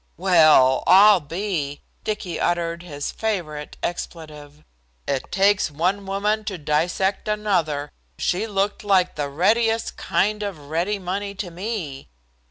"Well, I'll be " Dicky uttered his favorite expletive. "It takes one woman to dissect another. She looked like the readiest kind of ready money to me.